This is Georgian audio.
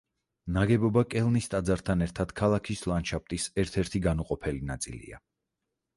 ნაგებობა კელნის ტაძართან ერთად ქალაქის ლანდშაფტის ერთ-ერთი განუყოფელი ნაწილია.